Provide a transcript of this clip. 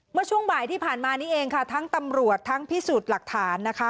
เมื่อช่วงบ่ายที่ผ่านมานี้เองค่ะทั้งตำรวจทั้งพิสูจน์หลักฐานนะคะ